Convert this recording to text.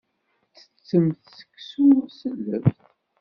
Ttettemt seksu s lleft.